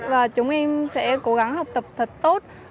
và chúng em sẽ cố gắng học tập thật tốt